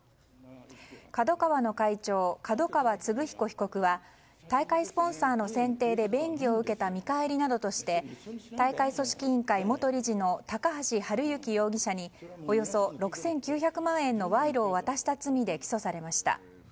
ＫＡＤＯＫＡＷＡの会長角川歴彦被告は大会スポンサーの選定で便宜を受けた見返りなどとして大会組織委員会元理事の高橋治之容疑者におよそ６９００万円の賄賂を渡した罪で起訴されました。